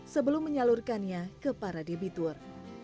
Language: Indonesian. sebelum menyalurkannya ke para debitur